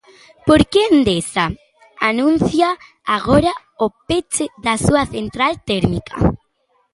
Por que Endesa anuncia agora o peche da súa central térmica?